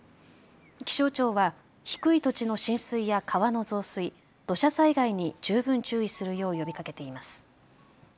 気象庁は低い土地の浸水や川の増水、土砂災害に十分注意するよう呼びかけています。